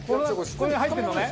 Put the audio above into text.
これが入ってるのね？